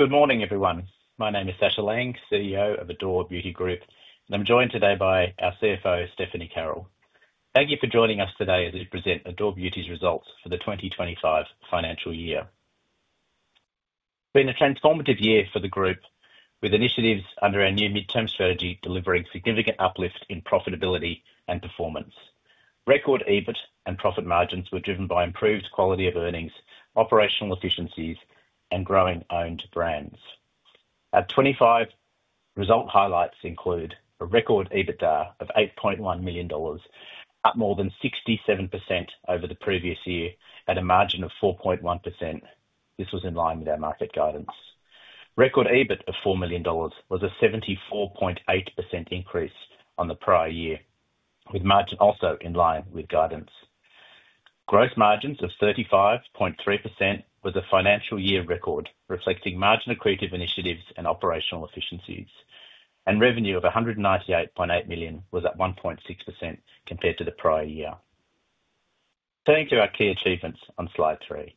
Good morning, everyone. My name is Sacha Laing, CEO of Adore Beauty Group, and I'm joined today by our CFO, Stephanie Carroll. Thank you for joining us today as we present Adore Beauty's results for the 2025 financial year. It's been a transformative year for the group, with initiatives under our new mid-term strategy delivering significant uplift in profitability and performance. Record EBIT and profit margins were driven by improved quality of earnings, operational efficiencies, and growing owned brands. Our 2025 result highlights include a record EBITDA of $8.1 million, up more than 67% over the previous year, at a margin of 4.1%. This was in line with our market guidance. Record EBIT of $4 million was a 74.8% increase on the prior year, with margin also in line with guidance. Gross margins of 35.3% was a financial year record, reflecting margin of creative initiatives and operational efficiencies. Revenue of $198.8 million was at 1.6% compared to the prior year. Turning to our key achievements on slide three.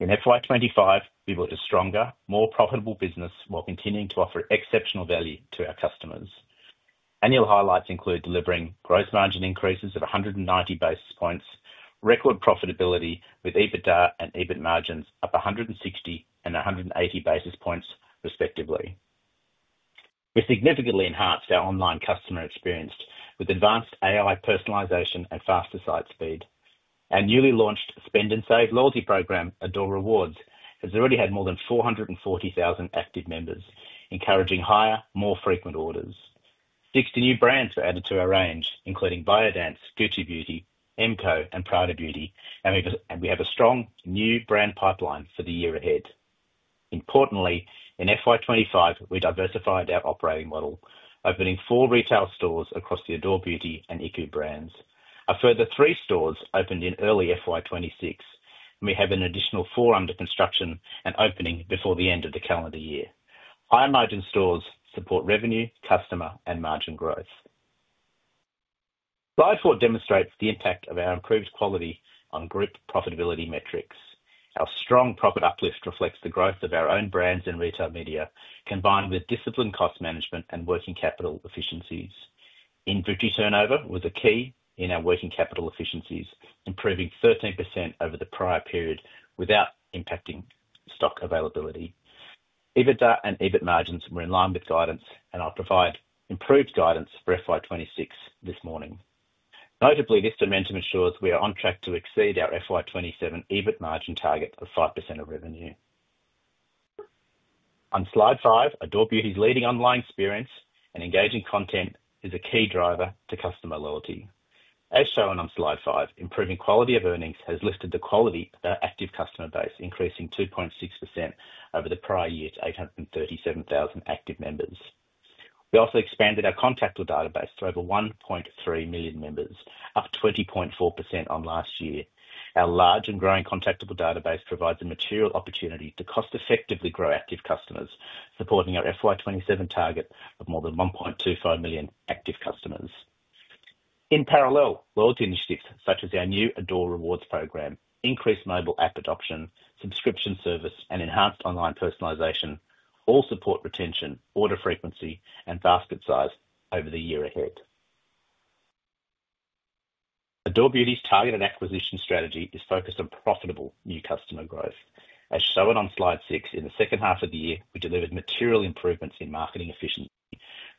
In FY 2025, we built a stronger, more profitable business while continuing to offer exceptional value to our customers. Annual highlights include delivering gross margin increases of 190 basis points, record profitability with EBITDA and EBIT margins up 160 and 180 basis points, respectively. We've significantly enhanced our online customer experience with advanced AI personalization and faster site speed. Our newly launched spend-and-save loyalty program, Adore Rewards, has already had more than 440,000 active members, encouraging higher, more frequent orders. Sixty new brands were added to our range, including Biodance, Gucci Beauty, MCo, and Prada Beauty, and we have a strong new brand pipeline for the year ahead. Importantly, in FY 2025, we diversified our operating model, opening four retail stores across the Adore Beauty and iKOU brands. A further three stores opened in early FY 2026, and we have an additional four under construction and opening before the end of the calendar year. High-margin stores support revenue, customer, and margin growth. Slide four demonstrates the impact of our improved quality on group profitability metrics. Our strong profit uplift reflects the growth of our own brands and retail media, combined with disciplined cost management and working capital efficiencies. Inventory turnover was key in our working capital efficiencies, improving 13% over the prior period without impacting stock availability. EBITDA and EBIT margins were in line with guidance, and I'll provide improved guidance for FY 2026 this morning. Notably, this momentum ensures we are on track to exceed our FY 2027 EBIT margin target of 5% of revenue. On slide five, Adore Beauty's leading online experience and engaging content is a key driver to customer loyalty. As shown on slide five, improving quality of earnings has lifted the quality of our active customer base, increasing 2.6% over the prior year's 837,000 active members. We also expanded our contactable database to over 1.3 million members, up 20.4% on last year. Our large and growing contactable database provides a material opportunity to cost-effectively grow active customers, supporting our FY 2027 target of more than 1.25 million active customers. In parallel, loyalty initiatives such as our new Adore Rewards program, increased mobile app adoption, subscription service, and enhanced online personalization all support retention, order frequency, and basket size over the year ahead. Adore Beauty's target and acquisition strategy is focused on profitable new customer growth. As shown on slide six, in the second half of the year, we delivered material improvements in marketing efficiency,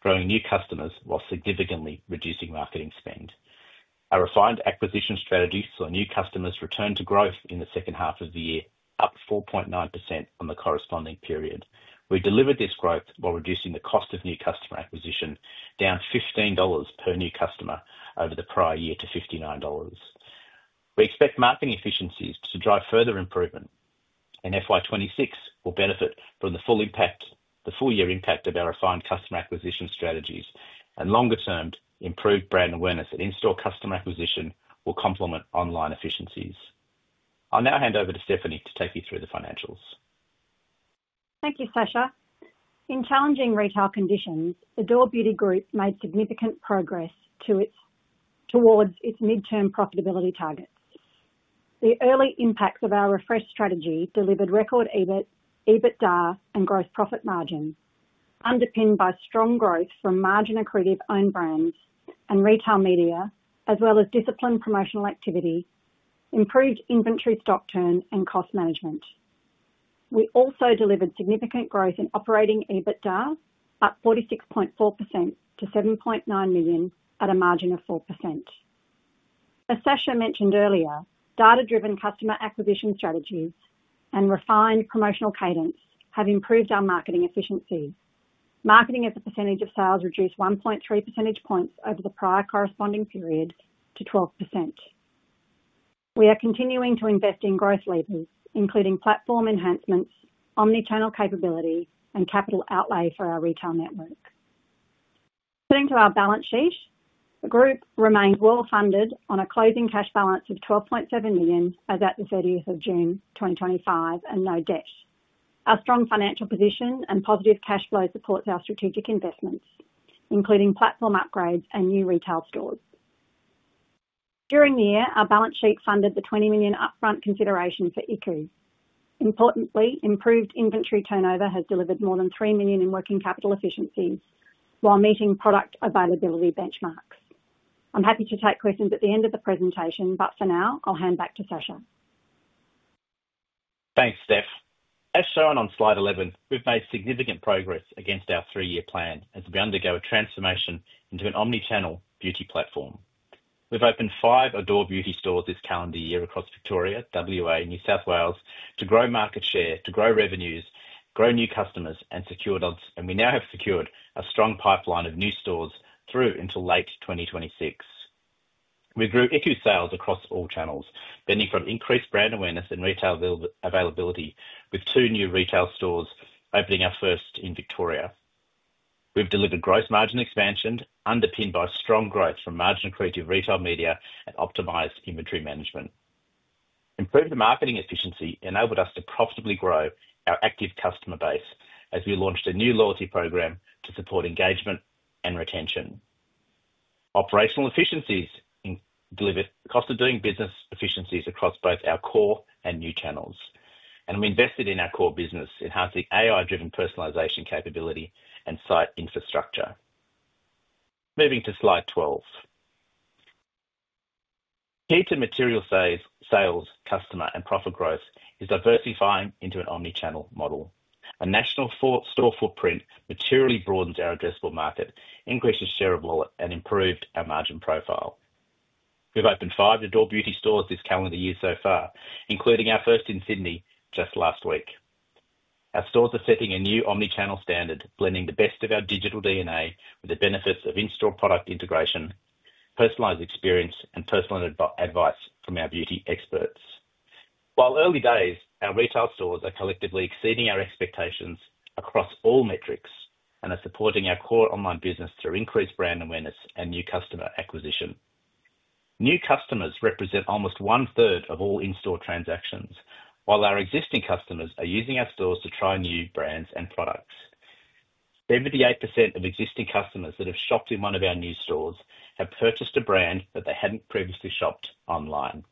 growing new customers while significantly reducing marketing spend. Our refined acquisition strategy saw new customers return to growth in the second half of the year, up 4.9% on the corresponding period. We delivered this growth while reducing the cost of new customer acquisition down $15 per new customer over the prior year to $59. We expect marketing efficiencies to drive further improvement, and FY 2026 will benefit from the full impact, the full year impact of our refined customer acquisition strategies and longer-term improved brand awareness that in-store customer acquisition will complement online efficiencies. I'll now hand over to Stephanie to take you through the financials. Thank you, Sacha. In challenging retail conditions, Adore Beauty Group made significant progress towards its mid-term profitability targets. The early impacts of our refresh strategy delivered record EBITDA and gross profit margins, underpinned by strong growth from margin accretive owned brands and retail media, as well as disciplined promotional activity, improved inventory stock turn, and cost management. We also delivered significant growth in operating EBITDA, up 46.4% to $7.9 million at a margin of 4%. As Sacha mentioned earlier, data-driven customer acquisition strategies and refined promotional cadence have improved our marketing efficiency. Marketing as a percentage of sales reduced 1.3 percentage points over the prior corresponding period to 12%. We are continuing to invest in growth levers, including platform enhancements, omnichannel capability, and capital outlay for our retail network. Turning to our balance sheet, the group remains well-funded on a closing cash balance of $12.7 million as at June 30th, 2025 and no debts. Our strong financial position and positive cash flow support our strategic investments, including platform upgrades and new retail stores. During the year, our balance sheet funded the $20 million upfront consideration for iKOU. Importantly, improved inventory turnover has delivered more than $3 million in working capital efficiencies while meeting product availability benchmarks. I'm happy to take questions at the end of the presentation, but for now, I'll hand back to Sacha. Thanks, Steph. As shown on slide 11, we've made significant progress against our three-year plan as we undergo a transformation into an omnichannel beauty platform. We've opened five Adore Beauty stores this calendar year across Victoria, Western Australia, and New South Wales to grow market share, to grow revenues, grow new customers, and secure. We now have secured a strong pipeline of new stores through until late 2026. We grew iKOU sales across all channels, benefiting from increased brand awareness and retail availability, with two new retail stores opening, our first in Victoria. We've delivered gross margin expansion, underpinned by strong growth from margin accretive retail media and optimized inventory management. Improved marketing efficiency enabled us to profitably grow our active customer base as we launched a new loyalty program to support engagement and retention. Operational efficiencies delivered cost of doing business efficiencies across both our core and new channels, and we invested in our core business, enhancing AI personalization capability and site infrastructure. Moving to slide 12. Key to material sales, customer, and profit growth is diversifying into an omnichannel model. A national store footprint materially broadens our addressable market, increases share of wallet, and improved our margin profile. We've opened five Adore Beauty stores this calendar year so far, including our first in Sydney just last week. Our stores are setting a new omnichannel standard, blending the best of our digital DNA with the benefits of in-store product integration, personalized experience, and personal advice from our beauty experts. While early days, our retail stores are collectively exceeding our expectations across all metrics and are supporting our core online business through increased brand awareness and new customer acquisition. New customers represent almost one-third of all in-store transactions, while our existing customers are using our stores to try new brands and products. 78% of existing customers that have shopped in one of our new stores have purchased a brand that they hadn't previously shopped online.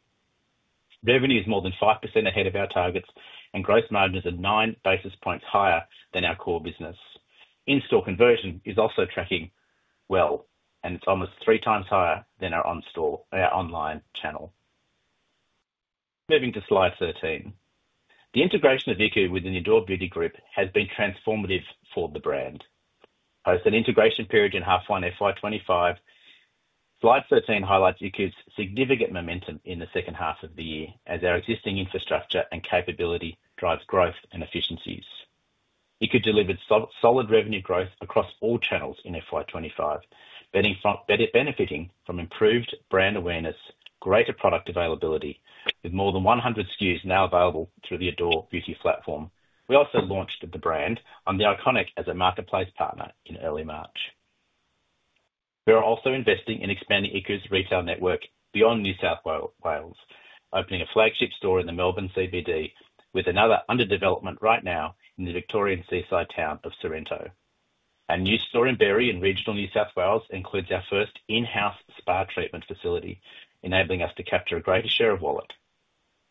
Revenue is more than 5% ahead of our targets, and gross margins are nine basis points higher than our core business. In-store conversion is also tracking well, and it's almost three times higher than our online channel. Moving to slide 13. The integration of iKOU within the Adore Beauty Group has been transformative for the brand. Post an integration period in half one FY 2025, slide 13 highlights iKOU's significant momentum in the second half of the year as our existing infrastructure and capability drive growth and efficiencies. iKOU delivered solid revenue growth across all channels in FY 2025, benefiting from improved brand awareness, greater product availability, with more than 100 SKUs now available through the Adore Beauty platform. We also launched the brand on The Iconic as a marketplace partner in early March. We are also investing in expanding iKOU's retail network beyond New South Wales, opening a flagship store in the Melbourne CBD, with another under development right now in the Victorian seaside town of Sorrento. Our new store in Berry in regional New South Wales includes our first in-house spa treatment facility, enabling us to capture a greater share of wallet.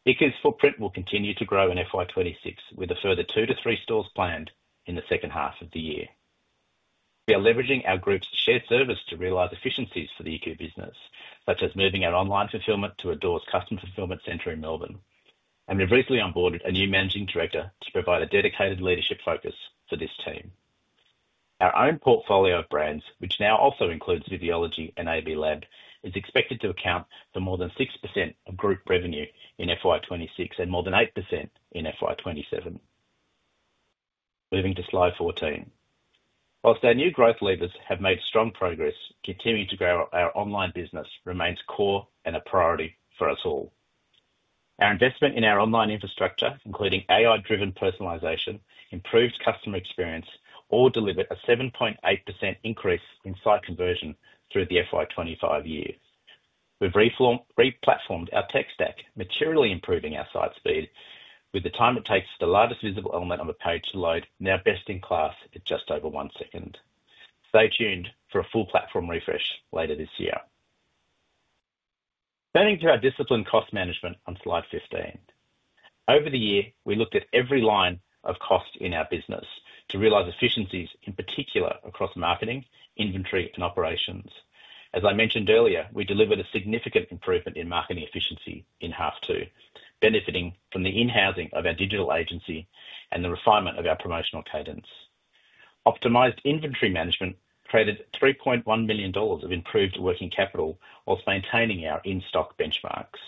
iKOU's footprint will continue to grow in FY 2026, with a further 2 stores-3 stores planned in the second half of the year. We are leveraging our group's shared service to realize efficiencies for the iKOU business, such as moving our online fulfillment to Adore's customer fulfillment center in Melbourne. We've recently onboarded a new Managing Director to provide a dedicated leadership focus for this team. Our own portfolio of brands, which now also includes Physiology and AB Lab, is expected to account for more than 6% of group revenue in FY 2026 and more than 8% in FY 2027. Moving to slide 14. Whilst our new growth levers have made strong progress, continuing to grow our online business remains core and a priority for us all. Our investment in our online infrastructure, including AI personalization, improved customer experience, all delivered a 7.8% increase in site conversion through the FY 2025 year. We've replatformed our tech stack, materially improving our site speed, with the time it takes the largest visible element of a page to load now best in class at just over one second. Stay tuned for a full platform refresh later this year. Turning to our disciplined cost management on slide 15. Over the year, we looked at every line of cost in our business to realize efficiencies, in particular across marketing, inventory, and operations. As I mentioned earlier, we delivered a significant improvement in marketing efficiency in half two, benefiting from the in-housing of our digital agency and the refinement of our promotional cadence. Optimized inventory management created $3.1 million of improved working capital while maintaining our in-stock benchmarks.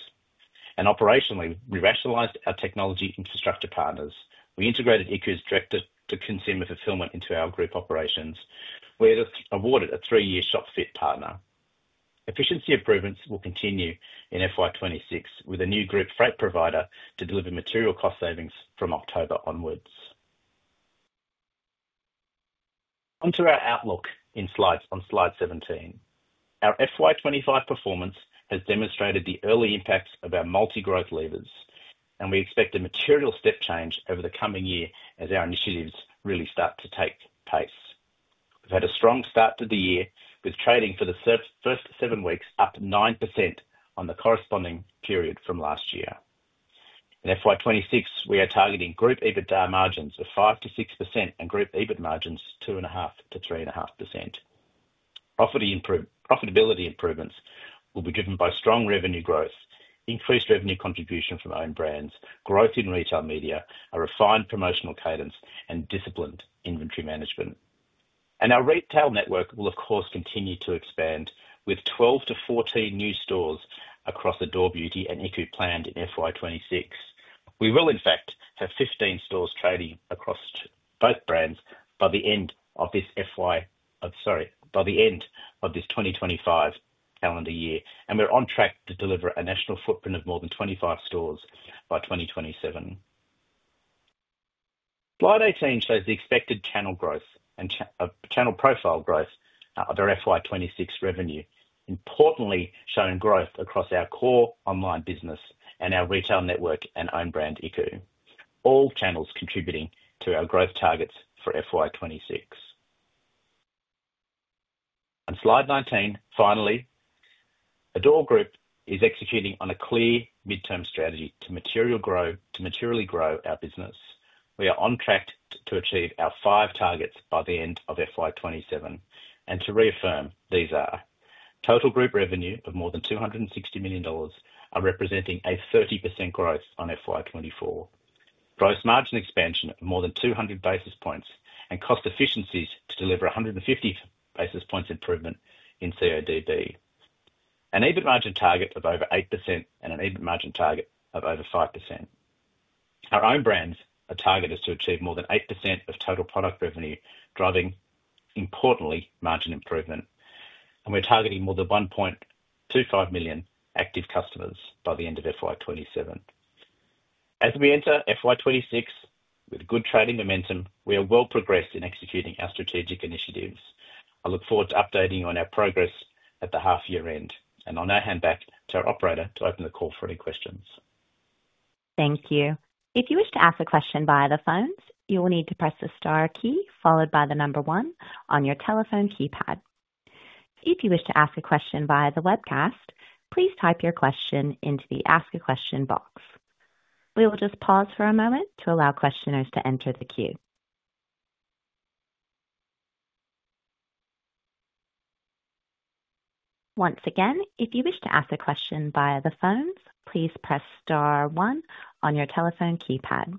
Operationally, we rationalized our technology infrastructure partners. We integrated iKOU's direct to consumer fulfillment into our group operations. We were awarded a three-year shop fit partner. Efficiency improvements will continue in FY 2026 with a new group freight provider to deliver material cost savings from October onwards. Onto our outlook in slides on slide 17. Our FY 2025 performance has demonstrated the early impacts of our multi-growth levers, and we expect a material step change over the coming year as our initiatives really start to take pace. We've had a strong start to the year with trading for the first seven weeks up 9% on the corresponding period from last year. In FY 2026, we are targeting group EBITDA margins of 5%-6% and group EBIT margins of 2.5%-3.5%. Profitability improvements will be driven by strong revenue growth, increased revenue contribution from owned brands, growth in retail media, a refined promotional cadence, and disciplined inventory management. Our retail network will, of course, continue to expand with 12-14 new stores across Adore Beauty and iKOU planned in FY 2026. We will, in fact, have 15 stores trading across both brands by the end of this FY, sorry, by the end of this 2025 calendar year. We're on track to deliver a national footprint of more than 25 stores by 2027. Slide 18 shows the expected channel growth and channel profile growth of our FY 2026 revenue, importantly showing growth across our core online business and our retail network and owned brand iKOU. All channels are contributing to our growth targets for FY 2026. On slide 19, finally, Adore Group is executing on a clear mid-term strategy to materially grow our business. We are on track to achieve our five targets by the end of FY 2027. To reaffirm, these are total group revenue of more than $260 million, representing a 30% growth on FY 2024, gross margin expansion of more than 200 basis points, and cost efficiencies to deliver 150 basis points improvement in CODD, an EBITDA margin target of over 8% and an EBIT margin target of over 5%. Our own brands, a target is to achieve more than 8% of total product revenue, driving importantly margin improvement. We're targeting more than 1.25 million active customers by the end of FY 2027. As we enter FY 2026 with good trading momentum, we are well progressed in executing our strategic initiatives. I look forward to updating you on our progress at the half year end and I'll hand back to our operator to open the call for any questions. Thank you. If you wish to ask a question via the phones, you will need to press the star key followed by the number one on your telephone keypad. If you wish to ask a question via the webcast, please type your question into the ask a question box. We will pause for a moment to allow questioners to enter the queue. Once again, if you wish to ask a question via the phones, please press star one on your telephone keypad.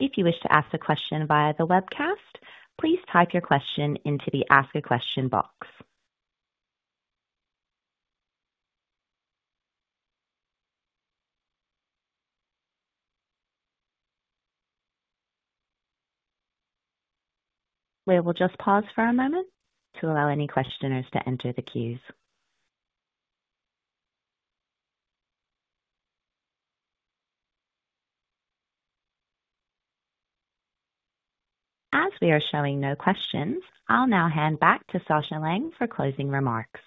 If you wish to ask a question via the webcast, please type your question into the ask a question box. We will pause for a moment to allow any questioners to enter the queues. As we are showing no questions, I'll now hand back to Sacha Laing for closing remarks.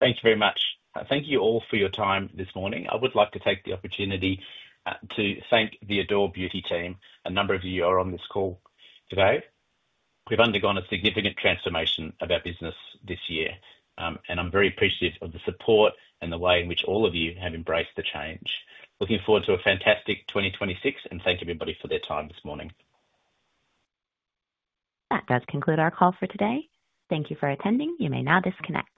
Thank you very much. Thank you all for your time this morning. I would like to take the opportunity to thank the Adore Beauty team. A number of you are on this call today. We've undergone a significant transformation of our business this year, and I'm very appreciative of the support and the way in which all of you have embraced the change. Looking forward to a fantastic 2026, and thank everybody for their time this morning. That does conclude our call for today. Thank you for attending. You may now disconnect.